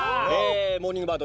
『モーニングバード！』